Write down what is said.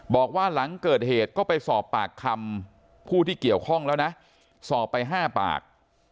บอกว่าหลังเกิดเหตุก็ไปสอบปากคำผู้ที่เกี่ยวข้องแล้วนะสอบไป๕ปาก